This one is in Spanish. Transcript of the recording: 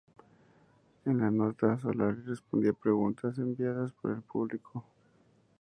En la nota, Solari respondía preguntas enviadas por el público.